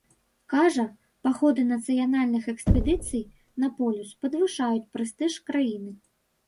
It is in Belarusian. Кажа, паходы нацыянальных экспедыцый на полюс падвышаюць прэстыж краіны.